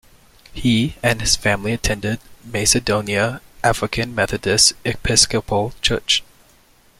He and his family attended Macedonia African Methodist Episcopal Church.